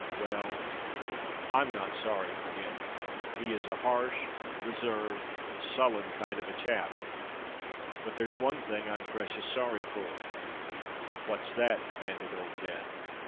Well—I'm not sorry for him: he is a harsh, reserved, sullen kind of a chap. But there's one thing I'm precious sorry for——" "What's that?" demanded Old Death.